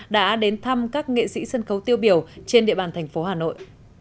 đã đến thăm các nghệ sĩ sân khấu tiêu biểu trên địa bàn thành phố hà nội